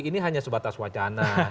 ini hanya sebatas wacana